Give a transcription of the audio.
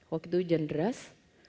waktu itu hujan deras